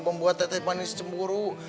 membuat teh teh manis cemburu